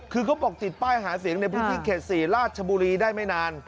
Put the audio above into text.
คือเขาปกจิตป้ายหาเสียงในพฤติเขต๔ราชบุรีได้ไม่นาน